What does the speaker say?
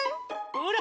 ほら！